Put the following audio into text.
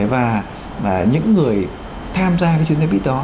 và những người tham gia cái chuyến xe buýt đó